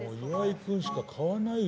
君しか買わないよ